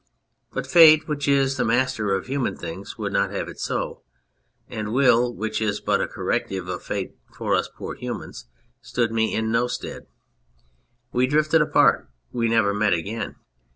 But Fate, which is the master of human things, would not have it so, and Will, which is but a corrective of Fate for us poor humans, stood me in no stead. We drifted apart ; we never met again.